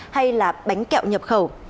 hay là bánh kẹo nhập khẩu